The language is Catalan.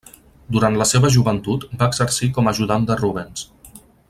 Durant la seva joventut va exercir com ajudant de Rubens.